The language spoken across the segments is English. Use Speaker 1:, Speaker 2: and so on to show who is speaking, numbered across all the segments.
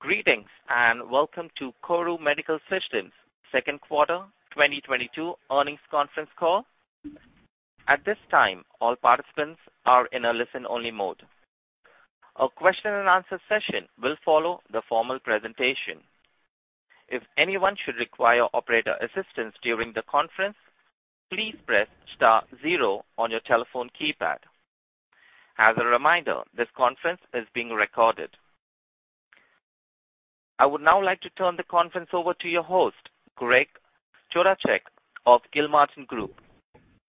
Speaker 1: Greetings, and welcome to KORU Medical Systems' second quarter 2022 earnings conference call. At this time, all participants are in a listen-only mode. A question-and-answer session will follow the formal presentation. If anyone should require operator assistance during the conference, please press star-zero on your telephone keypad. As a reminder, this conference is being recorded. I would now like to turn the conference over to your host, Greg Chodaczek of Gilmartin Group.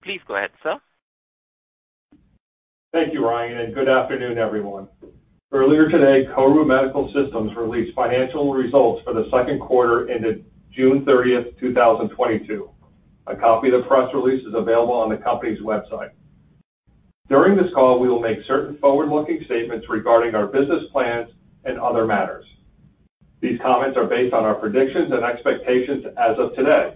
Speaker 1: Please go ahead, sir.
Speaker 2: Thank you, Ryan, and good afternoon, everyone. Earlier today, KORU Medical Systems released financial results for the second quarter ended June 30th, 2022. A copy of the press release is available on the company's website. During this call, we will make certain forward-looking statements regarding our business plans and other matters. These comments are based on our predictions and expectations as of today.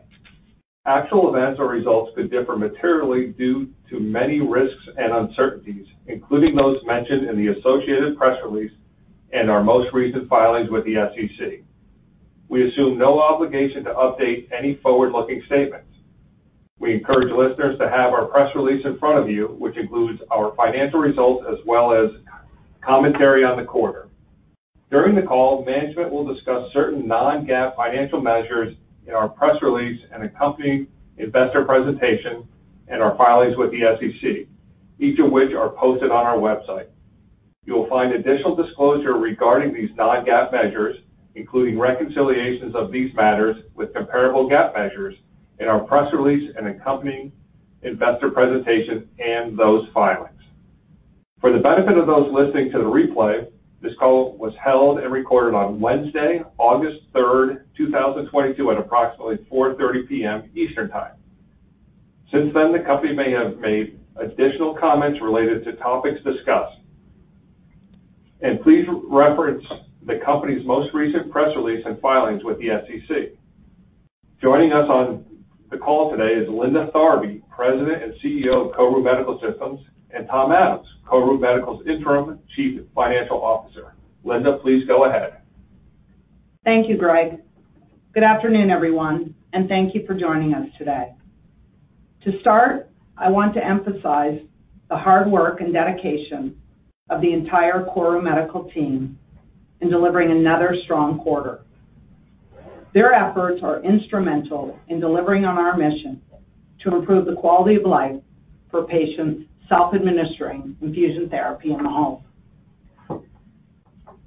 Speaker 2: Actual events or results could differ materially due to many risks and uncertainties, including those mentioned in the associated press release and our most recent filings with the SEC. We assume no obligation to update any forward-looking statements. We encourage listeners to have our press release in front of you, which includes our financial results as well as commentary on the quarter. During the call, management will discuss certain non-GAAP financial measures in our press release and accompanying investor presentation and our filings with the SEC, each of which are posted on our website. You will find additional disclosure regarding these non-GAAP measures, including reconciliations of these matters with comparable GAAP measures in our press release and accompanying investor presentation and those filings. For the benefit of those listening to the replay, this call was held and recorded on Wednesday, August 3rd, 2022 at approximately 4:30 P.M. Eastern Time. Since then, the company may have made additional comments related to topics discussed. Please reference the company's most recent press release and filings with the SEC. Joining us on the call today is Linda Tharby, President and CEO of KORU Medical Systems, and Tom Adams, KORU Medical's Interim Chief Financial Officer. Linda, please go ahead.
Speaker 3: Thank you, Greg. Good afternoon, everyone, and thank you for joining us today. To start, I want to emphasize the hard work and dedication of the entire KORU Medical team in delivering another strong quarter. Their efforts are instrumental in delivering on our mission to improve the quality of life for patients self-administering infusion therapy in the home.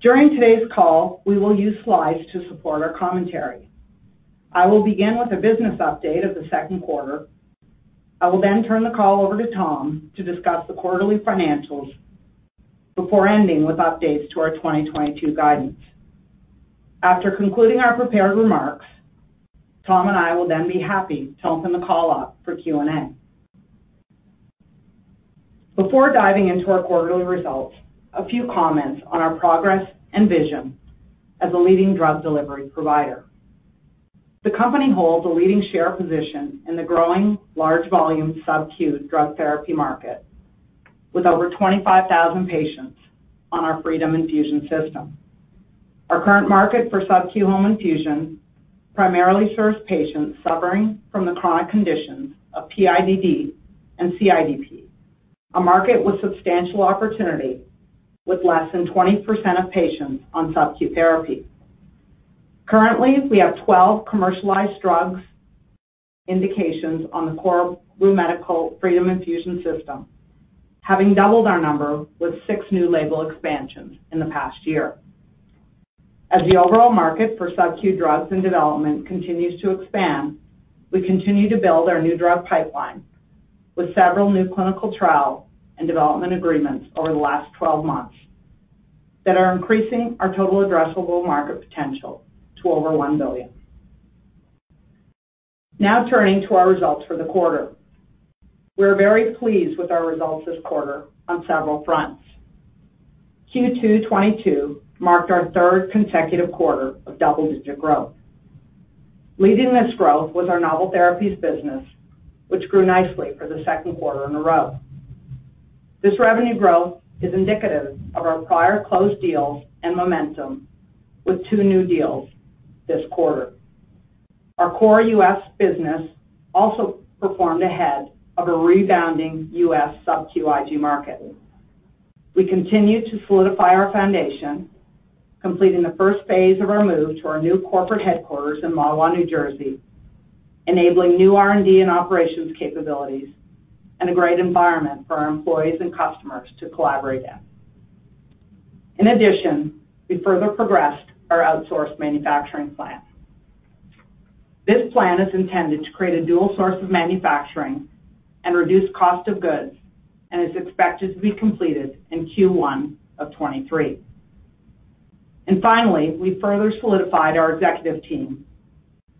Speaker 3: During today's call, we will use slides to support our commentary. I will begin with a business update of the second quarter. I will then turn the call over to Tom to discuss the quarterly financials before ending with updates to our 2022 guidance. After concluding our prepared remarks, Tom and I will then be happy to open the call up for Q&A. Before diving into our quarterly results, a few comments on our progress and vision as a leading drug delivery provider. The company holds a leading share position in the growing large volume subcu drug therapy market, with over 25,000 patients on our Freedom Infusion System. Our current market for subcu home infusion primarily serves patients suffering from the chronic conditions of PIDD and CIDP, a market with substantial opportunity with less than 20% of patients on subcu therapy. Currently, we have 12 commercialized drugs indications on the KORU Medical Freedom Infusion System, having doubled our number with six new label expansions in the past year. As the overall market for subcu drugs and development continues to expand, we continue to build our new drug pipeline with several new clinical trials and development agreements over the last 12 months that are increasing our total addressable market potential to over $1 billion. Now turning to our results for the quarter. We're very pleased with our results this quarter on several fronts. Q2 2022 marked our third consecutive quarter of double-digit growth. Leading this growth was our novel therapies business, which grew nicely for the second quarter in a row. This revenue growth is indicative of our prior closed deals and momentum with two new deals this quarter. Our core U.S. business also performed ahead of a rebounding U.S. subcu IG market. We continued to solidify our foundation, completing the first phase of our move to our new corporate headquarters in Mahwah, New Jersey, enabling new R&D and operations capabilities and a great environment for our employees and customers to collaborate in. In addition, we further progressed our outsourced manufacturing plan. This plan is intended to create a dual source of manufacturing and reduce cost of goods and is expected to be completed in Q1 of 2023. Finally, we further solidified our executive team,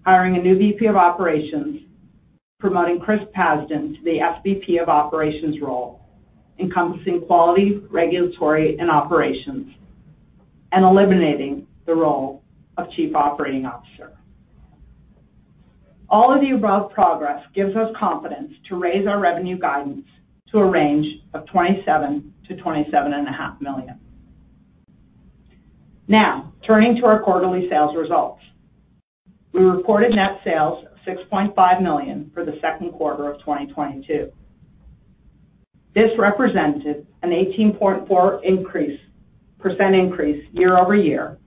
Speaker 3: hiring a new VP of operations, promoting Chris Pazdan to the SVP of operations role, encompassing quality, regulatory, and operations, and eliminating the role of Chief Operating Officer. All of the above progress gives us confidence to raise our revenue guidance to a range of $27 million-$27.5 million. Now, turning to our quarterly sales results. We reported net sales of $6.5 million for the second quarter of 2022. This represented an 18.4% increase year-over-year,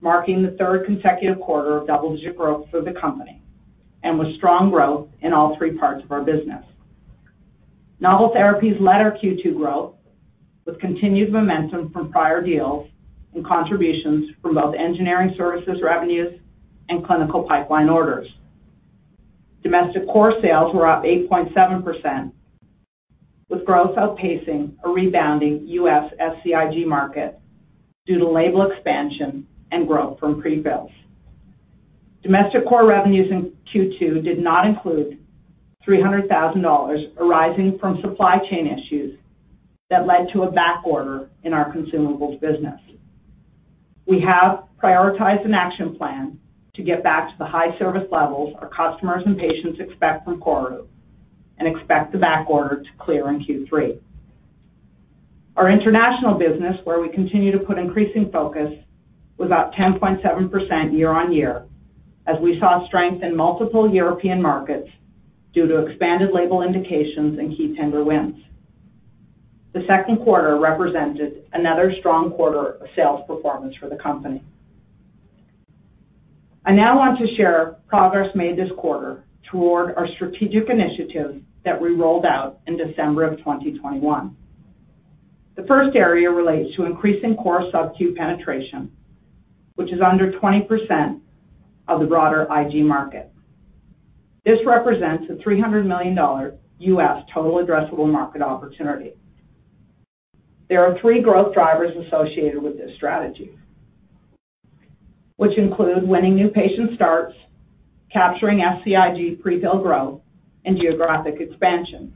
Speaker 3: marking the third consecutive quarter of double-digit growth for the company, and with strong growth in all three parts of our business. Novel therapies led our Q2 growth with continued momentum from prior deals and contributions from both engineering services revenues and clinical pipeline orders. Domestic core sales were up 8.7%, with growth outpacing a rebounding U.S. SCIG market due to label expansion and growth from pre-fills. Domestic core revenues in Q2 did not include $300,000 arising from supply chain issues that led to a backorder in our consumables business. We have prioritized an action plan to get back to the high service levels our customers and patients expect from KORU and expect the backorder to clear in Q3. Our international business, where we continue to put increasing focus, was up 10.7% year-over-year as we saw strength in multiple European markets due to expanded label indications and key tender wins. The second quarter represented another strong quarter of sales performance for the company. I now want to share progress made this quarter toward our strategic initiatives that we rolled out in December 2021. The first area relates to increasing core subcu penetration, which is under 20% of the broader IG market. This represents a $300 million U.S. total addressable market opportunity. There are three growth drivers associated with this strategy, which include winning new patient starts, capturing SCIG pre-fill growth, and geographic expansion.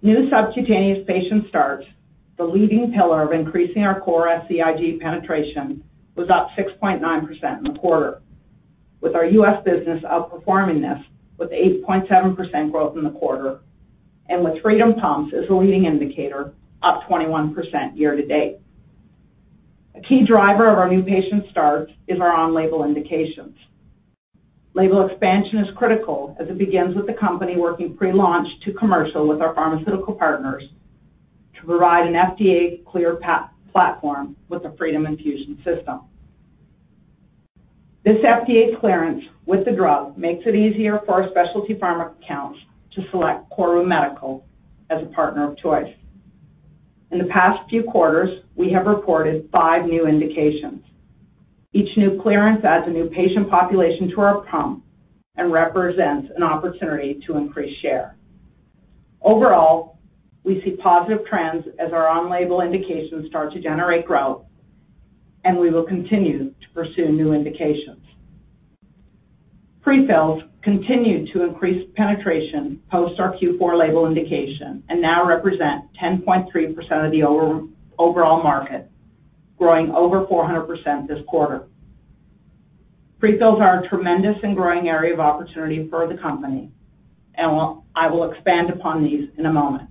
Speaker 3: New subcutaneous patient starts, the leading pillar of increasing our core SCIG penetration, was up 6.9% in the quarter, with our U.S. business outperforming this with 8.7% growth in the quarter and with Freedom pumps as a leading indicator, up 21% year to date. A key driver of our new patient starts is our on-label indications. Label expansion is critical as it begins with the company working pre-launch to commercial with our pharmaceutical partners to provide an FDA-cleared platform with the Freedom Infusion System. This FDA clearance with the drug makes it easier for our specialty pharma accounts to select KORU Medical as a partner of choice. In the past few quarters, we have reported five new indications. Each new clearance adds a new patient population to our pump and represents an opportunity to increase share. Overall, we see positive trends as our on-label indications start to generate growth, and we will continue to pursue new indications. Pre-fills continued to increase penetration post our Q4 label indication and now represent 10.3% of the overall market, growing over 400% this quarter. Pre-fills are a tremendous and growing area of opportunity for the company, and I will expand upon these in a moment.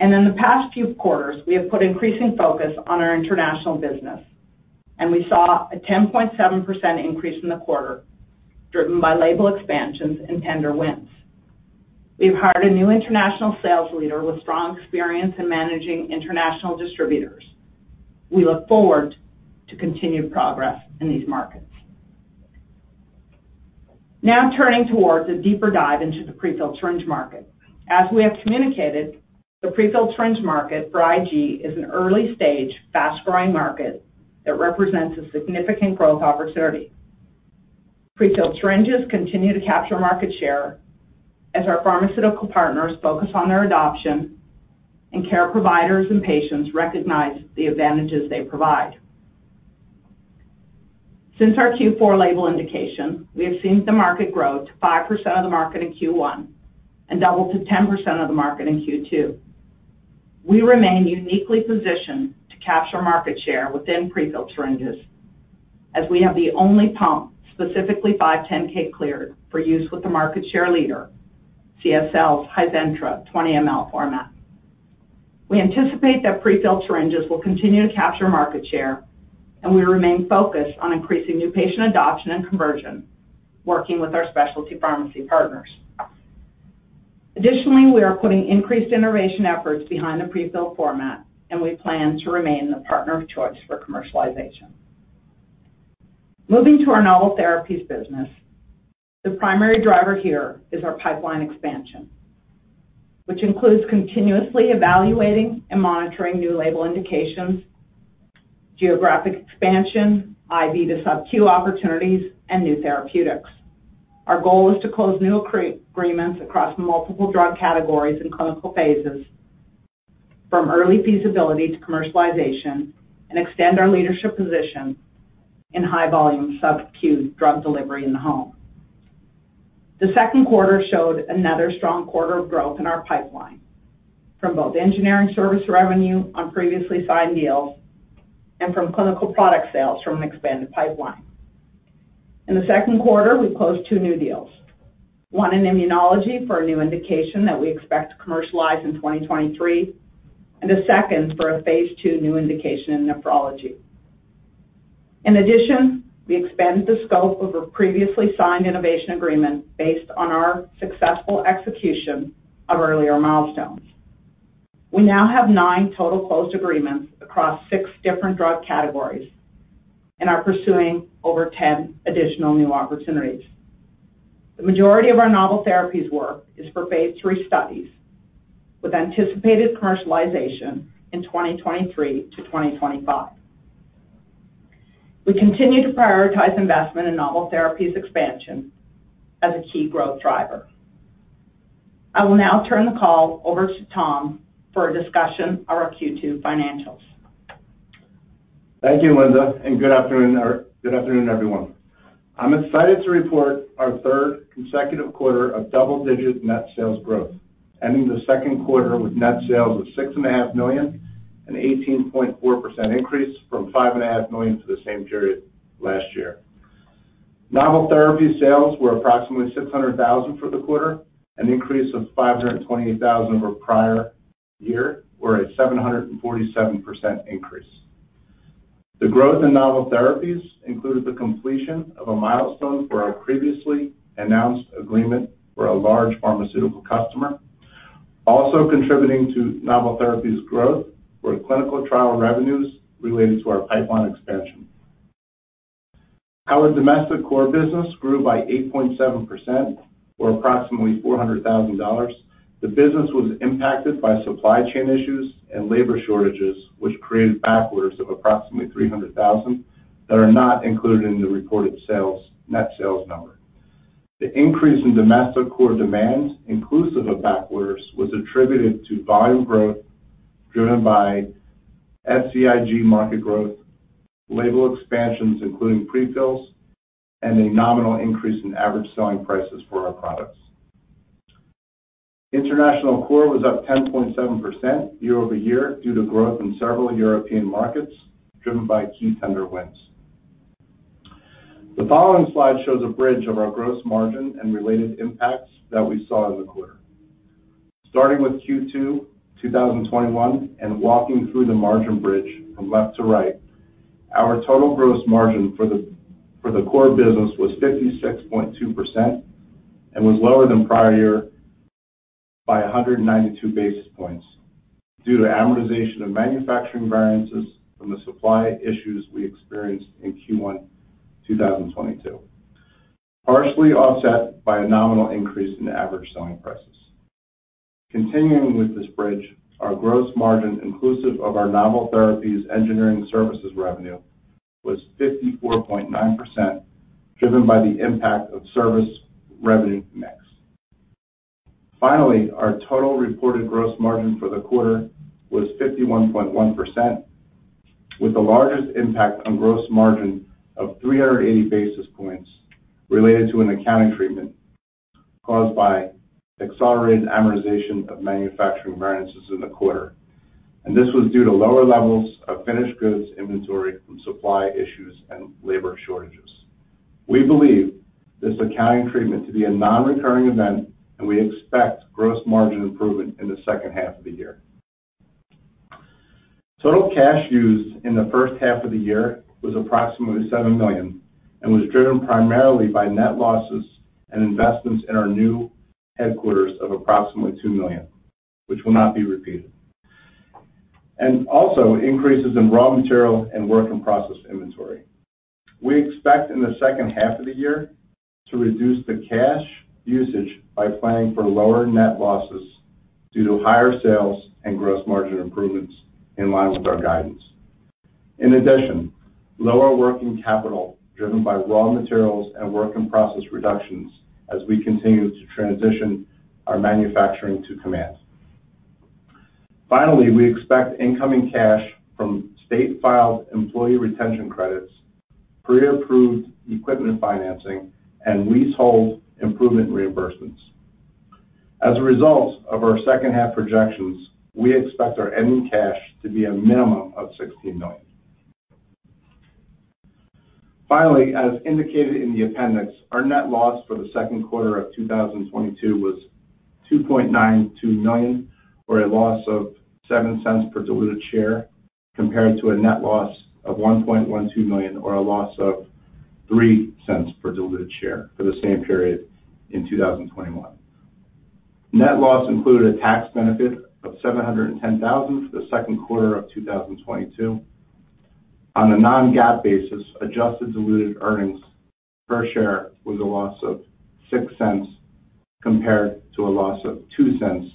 Speaker 3: In the past few quarters, we have put increasing focus on our international business, and we saw a 10.7% increase in the quarter, driven by label expansions and tender wins. We've hired a new international sales leader with strong experience in managing international distributors. We look forward to continued progress in these markets. Now turning toward a deeper dive into the pre-filled syringe market. As we have communicated, the pre-filled syringe market for IG is an early-stage, fast-growing market that represents a significant growth opportunity. Pre-filled syringes continue to capture market share as our pharmaceutical partners focus on their adoption and care providers and patients recognize the advantages they provide. Since our Q4 label indication, we have seen the market grow to 5% of the market in Q1 and double to 10% of the market in Q2. We remain uniquely positioned to capture market share within pre-filled syringes as we have the only pump specifically 510(k) cleared for use with the market share leader, CSL's Hizentra 20 ml format. We anticipate that pre-filled syringes will continue to capture market share, and we remain focused on increasing new patient adoption and conversion, working with our specialty pharmacy partners. Additionally, we are putting increased innovation efforts behind the pre-fill format, and we plan to remain the partner of choice for commercialization. Moving to our novel therapies business. The primary driver here is our pipeline expansion, which includes continuously evaluating and monitoring new label indications, geographic expansion, IV to subcu opportunities, and new therapeutics. Our goal is to close new agreements across multiple drug categories and clinical phases, from early feasibility to commercialization, and extend our leadership position in high-volume subcu drug delivery in the home. The second quarter showed another strong quarter of growth in our pipeline from both engineering service revenue on previously signed deals and from clinical product sales from an expanded pipeline. In the second quarter, we closed two new deals, one in immunology for a new indication that we expect to commercialize in 2023, and a second for a phase II new indication in nephrology. In addition, we expanded the scope of a previously signed innovation agreement based on our successful execution of earlier milestones. We now have nine total closed agreements across six different drug categories and are pursuing over 10 additional new opportunities. The majority of our novel therapies work is for phase III studies with anticipated commercialization in 2023-2025. We continue to prioritize investment in novel therapies expansion as a key growth driver. I will now turn the call over to Tom for a discussion of our Q2 financials.
Speaker 4: Thank you, Linda, and good afternoon, everyone. I'm excited to report our third consecutive quarter of double-digit net sales growth, ending the second quarter with net sales of $6.5 million, an 18.4% increase from $5.5 million for the same period last year. Novel therapy sales were approximately $600,000 for the quarter, an increase of $528,000 over prior year, or a 747% increase. The growth in novel therapies included the completion of a milestone for our previously announced agreement for a large pharmaceutical customer, also contributing to novel therapies growth for clinical trial revenues related to our pipeline expansion. Our domestic core business grew by 8.7% or approximately $400,000. The business was impacted by supply chain issues and labor shortages, which created back orders of approximately 300,000 that are not included in the reported sales, net sales number. The increase in domestic core demand, inclusive of back orders, was attributed to volume growth driven by SCIG market growth, label expansions, including pre-fills, and a nominal increase in average selling prices for our products. International core was up 10.7% year-over-year due to growth in several European markets, driven by key tender wins. The following slide shows a bridge of our gross margin and related impacts that we saw in the quarter. Starting with Q2 2021 and walking through the margin bridge from left to right, our total gross margin for the core business was 56.2% and was lower than prior year by 192 basis points due to amortization of manufacturing variances from the supply issues we experienced in Q1 2022, partially offset by a nominal increase in average selling prices. Continuing with this bridge, our gross margin inclusive of our novel therapies engineering services revenue was 54.9%, driven by the impact of service revenue mix. Finally, our total reported gross margin for the quarter was 51.1%, with the largest impact on gross margin of 380 basis points related to an accounting treatment caused by accelerated amortization of manufacturing variances in the quarter. This was due to lower levels of finished goods inventory from supply issues and labor shortages. We believe this accounting treatment to be a non-recurring event, and we expect gross margin improvement in the second half of the year. Total cash used in the first half of the year was approximately $7 million and was driven primarily by net losses and investments in our new headquarters of approximately $2 million, which will not be repeated, and also increases in raw material and work in process inventory. We expect in the second half of the year to reduce the cash usage by planning for lower net losses due to higher sales and gross margin improvements in line with our guidance. In addition, lower working capital driven by raw materials and work in process reductions as we continue to transition our manufacturing to Command. Finally, we expect incoming cash from state-filed employee retention credits, pre-approved equipment financing, and leasehold improvement reimbursements. As a result of our second half projections, we expect our ending cash to be a minimum of $16 million. Finally, as indicated in the appendix, our net loss for the second quarter of 2022 was $2.92 million, or a loss of $0.07 per diluted share, compared to a net loss of $1.12 million, or a loss of $0.03 per diluted share for the same period in 2021. Net loss included a tax benefit of $710,000 for the second quarter of 2022. On a non-GAAP basis, adjusted diluted earnings per share was a loss of $0.06 compared to a loss of $0.02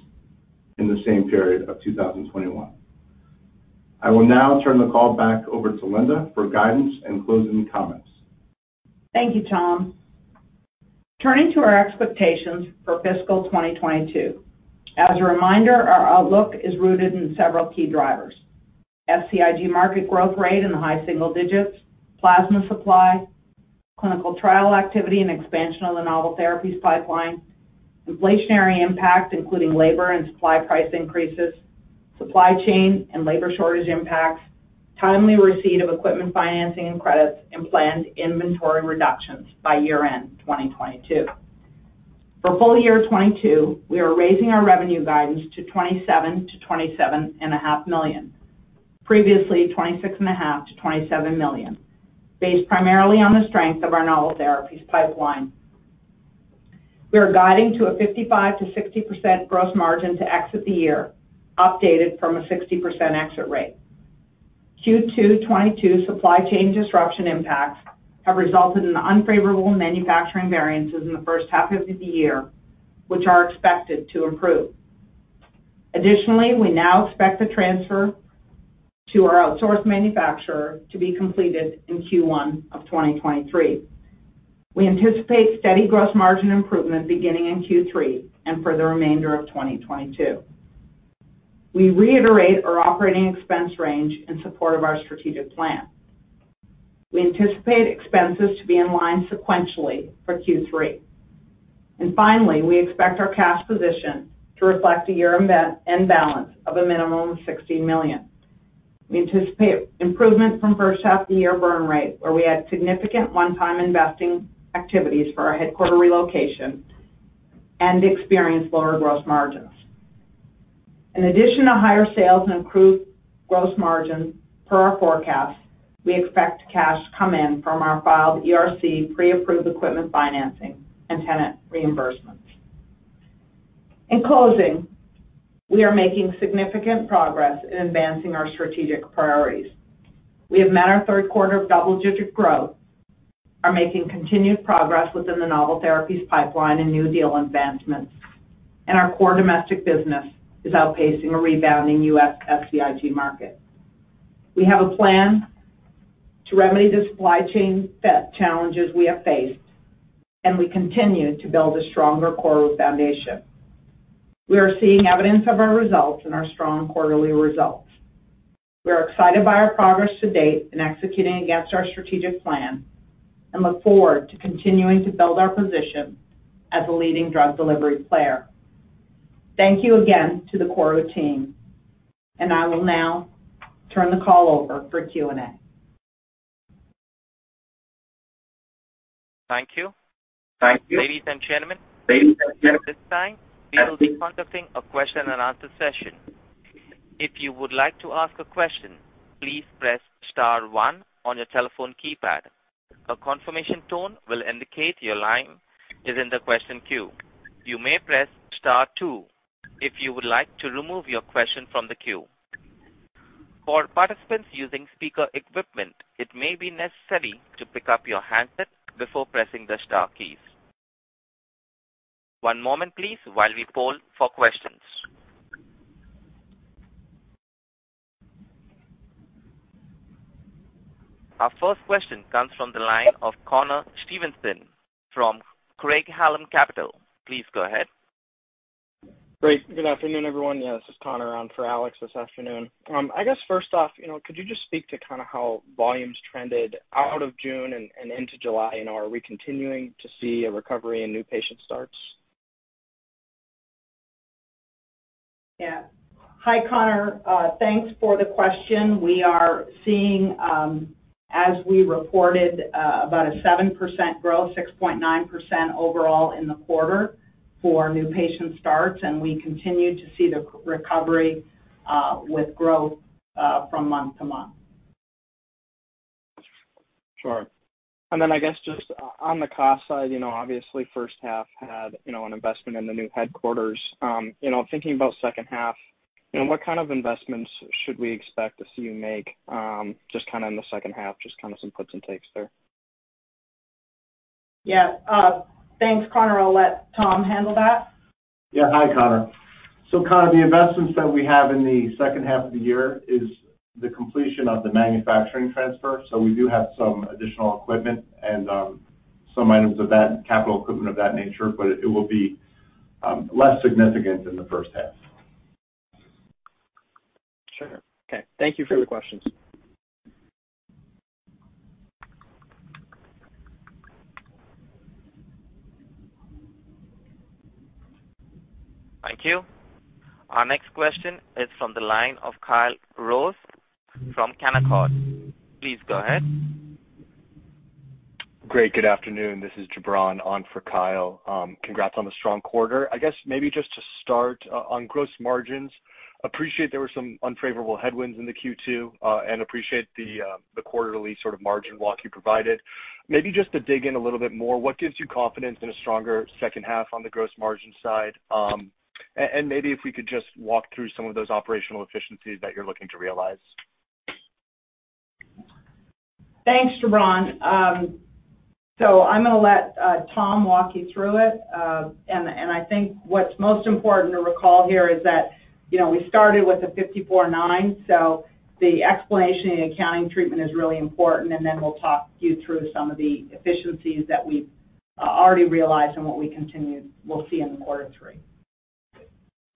Speaker 4: in the same period of 2021. I will now turn the call back over to Linda for guidance and closing comments.
Speaker 3: Thank you, Tom. Turning to our expectations for fiscal 2022. As a reminder, our outlook is rooted in several key drivers, SCIG market growth rate in the high single digits, plasma supply, clinical trial activity, and expansion of the novel therapies pipeline, inflationary impact, including labor and supply price increases, supply chain and labor shortage impacts, timely receipt of equipment financing and credits, and planned inventory reductions by year-end 2022. For full year 2022, we are raising our revenue guidance to $27 million-$27.5 million, previously $26.5 million-$27 million, based primarily on the strength of our novel therapies pipeline. We are guiding to a 55%-60% gross margin to exit the year, updated from a 60% exit rate. Q2 2022 supply chain disruption impacts have resulted in unfavorable manufacturing variances in the first half of the year, which are expected to improve. Additionally, we now expect the transfer to our outsourced manufacturer to be completed in Q1 of 2023. We anticipate steady gross margin improvement beginning in Q3 and for the remainder of 2022. We reiterate our operating expense range in support of our strategic plan. We anticipate expenses to be in line sequentially for Q3. Finally, we expect our cash position to reflect a year end balance of a minimum of $60 million. We anticipate improvement from first half of the year burn rate, where we had significant one-time investing activities for our headquarters relocation and experienced lower gross margins. In addition to higher sales and improved gross margins per our forecast, we expect cash to come in from our filed ERC pre-approved equipment financing and tenant reimbursements. In closing, we are making significant progress in advancing our strategic priorities. We have met our third quarter of double-digit growth, are making continued progress within the novel therapies pipeline and new deal advancements, and our core domestic business is outpacing a rebounding U.S. SCIG market. We have a plan to remedy the supply chain set challenges we have faced, and we continue to build a stronger KORU foundation. We are seeing evidence of our results in our strong quarterly results. We are excited by our progress to date in executing against our strategic plan and look forward to continuing to build our position as a leading drug delivery player. Thank you again to the KORU team, and I will now turn the call over for Q&A.
Speaker 1: Thank you. Ladies and gentlemen. At this time, we will be conducting a question-and-answer session. If you would like to ask a question, please press star-one on your telephone keypad. A confirmation tone will indicate your line is in the question queue. You may press star-two if you would like to remove your question from the queue. For participants using speaker equipment, it may be necessary to pick up your handset before pressing the star keys. One moment please while we poll for questions. Our first question comes from the line of Connor Stevenson from Craig-Hallum Capital Group. Please go ahead.
Speaker 5: Great. Good afternoon, everyone. Yeah, this is Connor on for Alex this afternoon. I guess first off, you know, could you just speak to kind of how volumes trended out of June and into July? Are we continuing to see a recovery in new patient starts?
Speaker 3: Yeah. Hi, Connor. Thanks for the question. We are seeing, as we reported, about a 7% growth, 6.9% overall in the quarter for new patient starts, and we continue to see the recovery with growth from month-over-month.
Speaker 5: Sure. I guess just on the cost side, you know, obviously first half had, you know, an investment in the new headquarters. You know, thinking about second half, you know, what kind of investments should we expect to see you make, just kind of in the second half, just kind of some puts and takes there?
Speaker 3: Yeah. Thanks, Connor. I'll let Tom handle that.
Speaker 4: Yeah. Hi, Connor. Connor, the investments that we have in the second half of the year is the completion of the manufacturing transfer. We do have some additional equipment and some items of that capital equipment of that nature, but it will be less significant than the first half.
Speaker 5: Sure. Okay. Thank you for the questions.
Speaker 1: Thank you. Our next question is from the line of Kyle Rose from Canaccord. Please go ahead.
Speaker 6: Great. Good afternoon. This is Gibran on for Kyle. Congrats on the strong quarter. I guess maybe just to start, on gross margins, appreciate there were some unfavorable headwinds into Q2, and appreciate the quarterly sort of margin walk you provided. Maybe just to dig in a little bit more, what gives you confidence in a stronger second half on the gross margin side? And maybe if we could just walk through some of those operational efficiencies that you're looking to realize.
Speaker 3: Thanks, Gibran. I'm gonna let Tom walk you through it. I think what's most important to recall here is that, you know, we started with a $54.9, so the explanation and accounting treatment is really important, and then we'll talk you through some of the efficiencies that we've already realized and what we'll see in quarter three.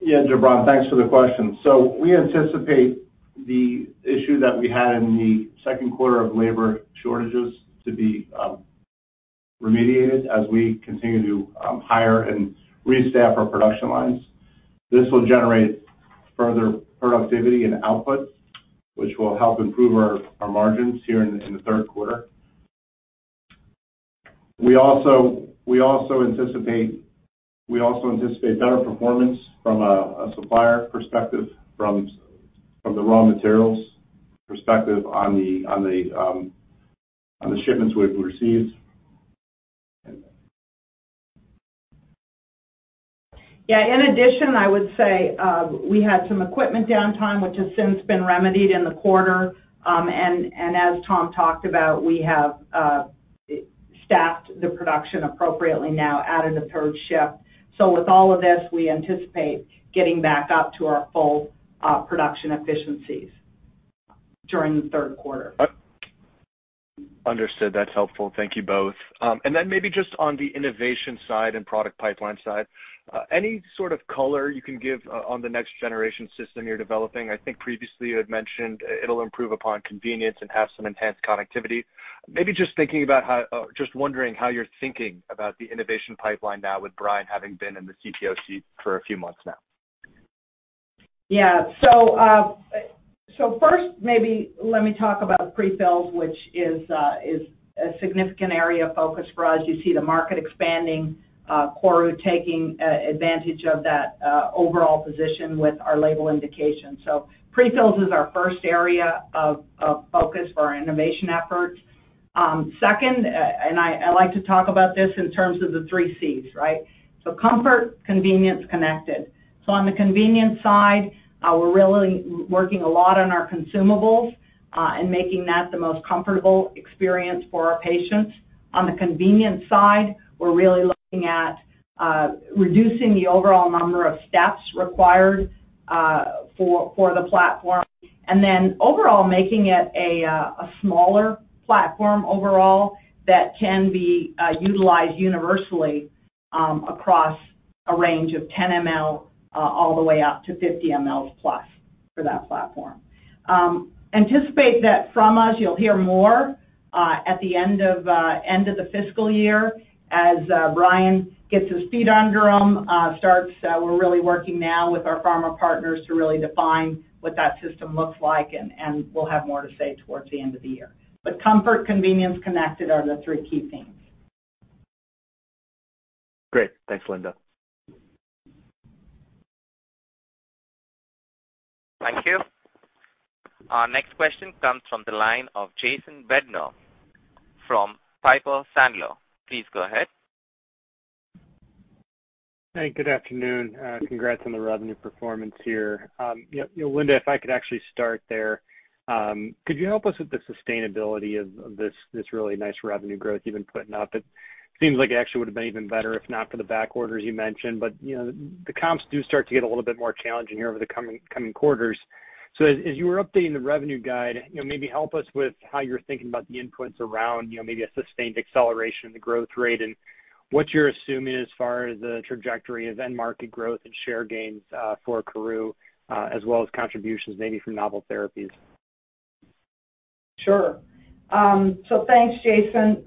Speaker 4: Yeah, Gibran, thanks for the question. We anticipate the issue that we had in the second quarter of labor shortages to be remediated as we continue to hire and restaff our production lines. This will generate further productivity and output, which will help improve our margins here in the third quarter. We also anticipate better performance from a supplier perspective from the raw materials perspective on the shipments we've received.
Speaker 3: Yeah. In addition, I would say, we had some equipment downtime, which has since been remedied in the quarter. As Tom talked about, we have staffed the production appropriately now, added a third shift. With all of this, we anticipate getting back up to our full production efficiencies during the third quarter.
Speaker 6: Understood. That's helpful. Thank you both. Maybe just on the innovation side and product pipeline side, any sort of color you can give on the next generation system you're developing? I think previously you had mentioned it'll improve upon convenience and have some enhanced connectivity. Just wondering how you're thinking about the innovation pipeline now with Brian having been in the CTO for a few months now.
Speaker 3: Yeah. First maybe let me talk about pre-fills, which is a significant area of focus for us. You see the market expanding, KORU taking advantage of that overall position with our label indication. Pre-fills is our first area of focus for our innovation efforts. Second, and I like to talk about this in terms of the three Cs, right? On the convenience side, we're really working a lot on our consumables and making that the most comfortable experience for our patients. On the convenience side, we're really looking at reducing the overall number of steps required for the platform, and then overall, making it a smaller platform overall that can be utilized universally across a range of 10 ml all the way up to 50+ ml for that platform. Anticipate that from us, you'll hear more at the end of the fiscal year as Brian gets his feet under him. We're really working now with our pharma partners to really define what that system looks like, and we'll have more to say towards the end of the year. Comfort, convenience, connected are the three key things.
Speaker 6: Great. Thanks, Linda.
Speaker 1: Thank you. Our next question comes from the line of Jason Bednar from Piper Sandler. Please go ahead.
Speaker 7: Hey, good afternoon. Congrats on the revenue performance here. You know, Linda, if I could actually start there. Could you help us with the sustainability of this really nice revenue growth you've been putting up? It seems like it actually would have been even better if not for the back orders you mentioned. You know, the comps do start to get a little bit more challenging here over the coming quarters. As you were updating the revenue guide, you know, maybe help us with how you're thinking about the inputs around, you know, maybe a sustained acceleration of the growth rate and what you're assuming as far as the trajectory of end market growth and share gains for KORU, as well as contributions maybe from novel therapies.
Speaker 3: Sure. Thanks, Jason.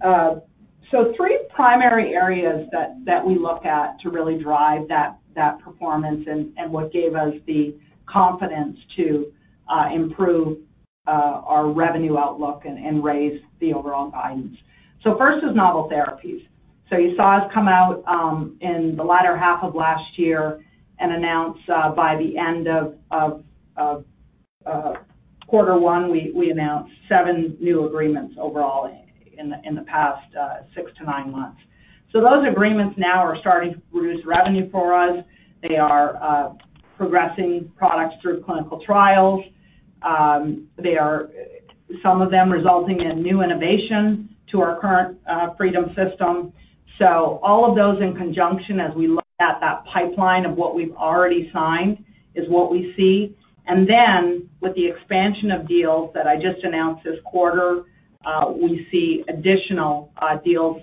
Speaker 3: Three primary areas that we look at to really drive that performance and what gave us the confidence to improve our revenue outlook and raise the overall guidance. First is novel therapies. You saw us come out in the latter half of last year and announce by the end of quarter one, we announced seven new agreements overall in the past six to nine months. Those agreements now are starting to produce revenue for us. They are progressing products through clinical trials. They are, some of them, resulting in new innovation to our current Freedom system. All of those in conjunction as we look at that pipeline of what we've already signed is what we see. Then with the expansion of deals that I just announced this quarter, we see additional deals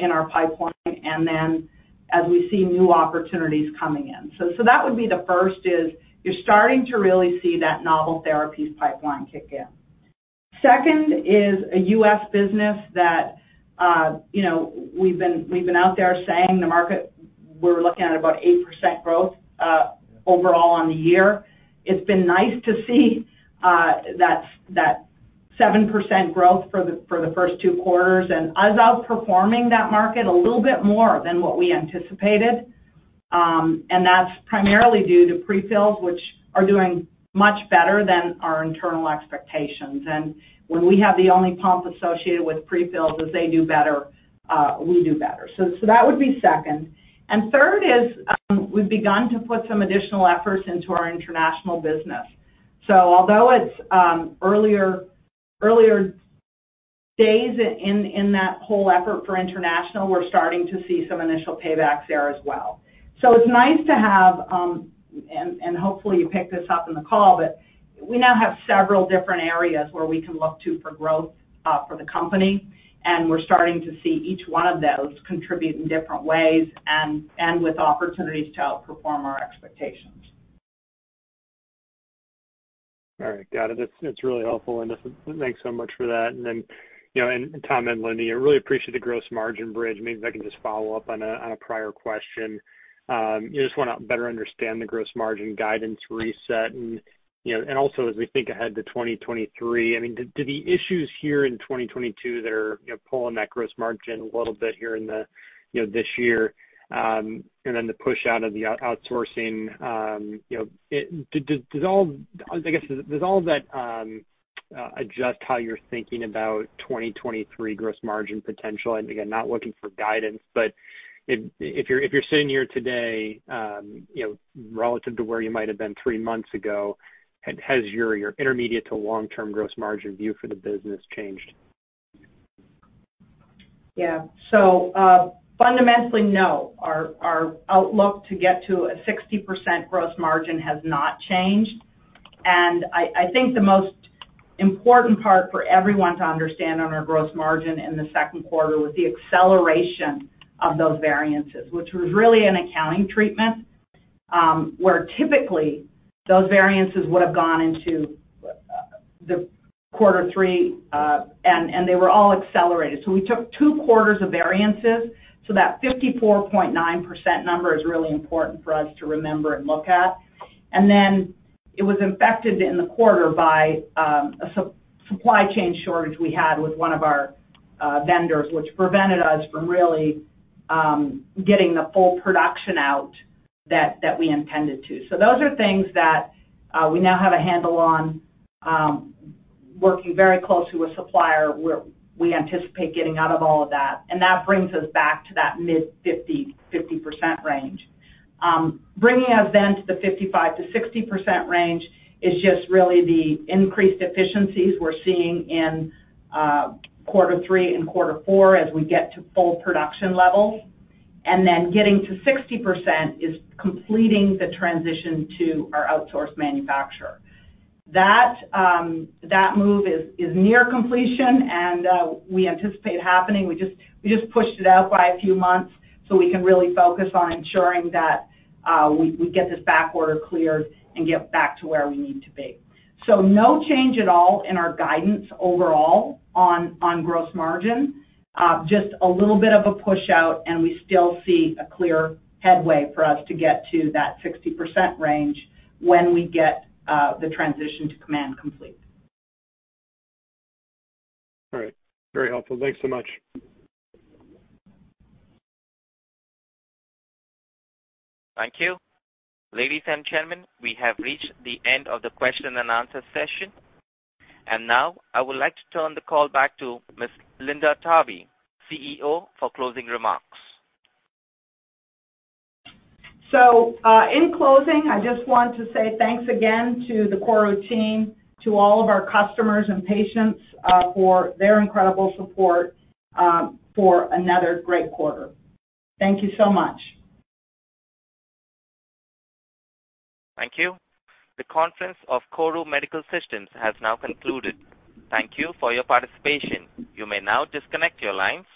Speaker 3: in our pipeline, and then as we see new opportunities coming in. That would be the first is you're starting to really see that novel therapies pipeline kick in. Second is a U.S. business that, you know, we've been out there saying the market, we're looking at about 8% growth overall on the year. It's been nice to see that 7% growth for the first two quarters and us outperforming that market a little bit more than what we anticipated. That's primarily due to pre-fills, which are doing much better than our internal expectations. When we have the only pump associated with pre-fills, as they do better, we do better. that would be second. Third is, we've begun to put some additional efforts into our international business. Although it's earlier days in that whole effort for international, we're starting to see some initial paybacks there as well. It's nice to have, and hopefully you picked this up in the call, but we now have several different areas where we can look to for growth for the company, and we're starting to see each one of those contribute in different ways and with opportunities to outperform our expectations.
Speaker 7: All right. Got it. It's really helpful, Linda. Thanks so much for that. Then, you know, Tom and Linda, I really appreciate the gross margin bridge. Maybe if I can just follow up on a prior question. Just wanna better understand the gross margin guidance reset and, you know, also as we think ahead to 2023, I mean, do the issues here in 2022 that are, you know, pulling that gross margin a little bit here in the, you know, this year, and then the push out of the outsourcing, you know, does all that, I guess, adjust how you're thinking about 2023 gross margin potential? Again, not looking for guidance, but if you're sitting here today, you know, relative to where you might have been three months ago, has your intermediate to long-term gross margin view for the business changed?
Speaker 3: Yeah. Fundamentally, no. Our outlook to get to a 60% gross margin has not changed. I think the most important part for everyone to understand on our gross margin in the second quarter was the acceleration of those variances, which was really an accounting treatment, where typically those variances would have gone into the quarter three, and they were all accelerated. We took two quarters of variances, so that 54.9% number is really important for us to remember and look at. Then it was affected in the quarter by a supply chain shortage we had with one of our vendors, which prevented us from really getting the full production out that we intended to. Those are things that we now have a handle on, working very closely with supplier, we anticipate getting out of all of that, and that brings us back to that mid-50% range. Bringing us then to the 55%-60% range is just really the increased efficiencies we're seeing in quarter three and quarter four as we get to full production levels. Getting to 60% is completing the transition to our outsourced manufacturer. That move is near completion and we anticipate happening. We just pushed it out by a few months so we can really focus on ensuring that we get this backorder cleared and get back to where we need to be. No change at all in our guidance overall on gross margin. Just a little bit of a push out and we still see clear headway for us to get to that 60% range when we get the transition to Command complete.
Speaker 7: All right. Very helpful. Thanks so much.
Speaker 1: Thank you. Ladies and gentlemen, we have reached the end of the question-and-answer session. Now I would like to turn the call back to Ms. Linda Tharby, CEO, for closing remarks.
Speaker 3: In closing, I just want to say thanks again to the KORU team, to all of our customers and patients, for their incredible support, for another great quarter. Thank you so much.
Speaker 1: Thank you. The conference of KORU Medical Systems has now concluded. Thank you for your participation. You may now disconnect your lines.